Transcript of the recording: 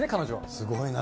すごいな。